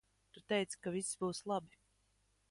Tu teici ka viss būs labi.